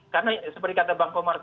karena seperti kata bang komar